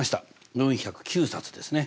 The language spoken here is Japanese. ４０９冊ですね。